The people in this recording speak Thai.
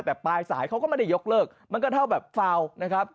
แต่ปลายสายเขาก็ไม่ได้ยกเลิกมันก็เท่าแบบฟาวนะครับ